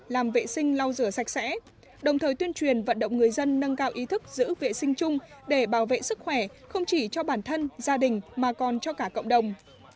làm vệ sinh lau rửa sạch sẽ đồng thời tuyên truyền vận động người dân nâng cao ý thức giữ vệ sinh chung để bảo vệ sức khỏe không chỉ cho bản thân gia đình mà còn cho cả cộng đồng